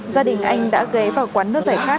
gia đình anh đã ghé vào quán nước giải khát